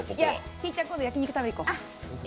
ひぃちゃん、今度焼き肉食べに行こう。